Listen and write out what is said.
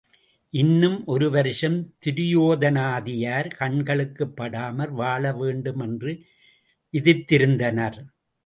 இன்னும் ஒரு வருஷம் துரியோதனாதியர் கண்களுக்குப்படாமல் வாழ வேண்டும் என்று விதித்திருந்தனர்.